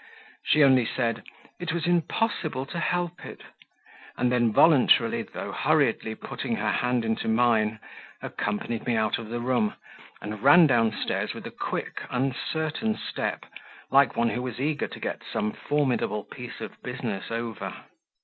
She only said, "It was impossible to help it," and then voluntarily, though hurriedly, putting her hand into mine, accompanied me out of the room, and ran downstairs with a quick, uncertain step, like one who was eager to get some formidable piece of business over.